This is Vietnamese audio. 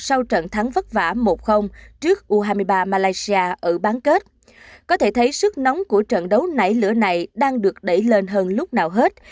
sau trận thắng vất vả một trước u hai mươi ba malaysia ở bán kết có thể thấy sức nóng của trận đấu nảy lửa này đang được đẩy lên hơn lúc nào hết